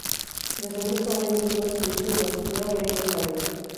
Desde muy joven estuvo a servicio de la futura reina Isabel.